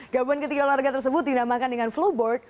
gabungan ketiga olahraga tersebut dinamakan dengan flowboard